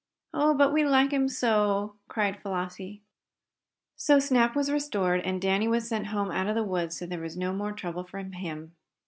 "Oh, but we like him so!" cried Flossie. So Snap was restored, and Danny was sent home out of the woods, so there was no more trouble from him.